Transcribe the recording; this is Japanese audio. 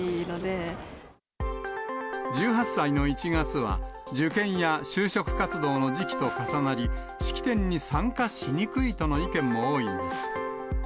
１８歳の１月は、受験や就職活動の時期と重なり、式典に参加しにくいとの意見も多いんです。